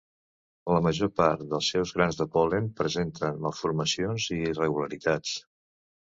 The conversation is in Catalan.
La major part dels seus grans de pol·len presenten malformacions i irregularitats.